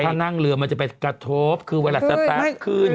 ถ้านั่งเรือมันจะไปกระทบคือเวลาสตาร์ทขึ้น